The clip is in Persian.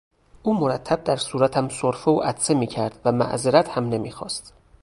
او مرتب در صورتم سرفه و عطسه میکرد و معذرت هم نمیخواست.